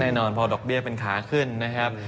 แน่นอนพอดอกเบี้ยเป็นขาขึ้นนะครับ